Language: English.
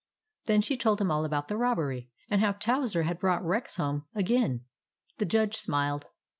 " Then she told him all about the robbery, and how Towser had brought Rex home again. The Judge smiled.